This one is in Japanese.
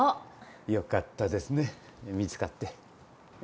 よかったですね見つかって。